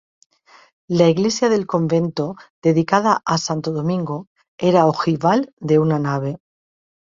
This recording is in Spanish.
La iglesia del convento, dedicada a santo Domingo, era ojival de una nave.